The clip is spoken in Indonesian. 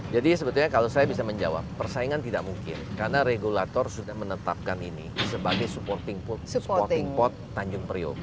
jadi sebetulnya kalau saya bisa menjawab persaingan tidak mungkin karena regulator sudah menetapkan ini sebagai supporting port tanjung puryoko